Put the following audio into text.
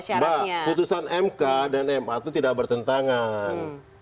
mbak putusan mk dan ma itu tidak bertentangan